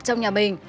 trong nhà mình